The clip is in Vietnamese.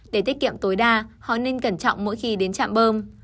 để tiết kiệm tối đa họ nên cẩn trọng mỗi khi đến trạm bơm